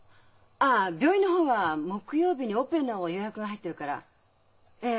ああ病院の方は木曜日にオペの予約が入ってるからええ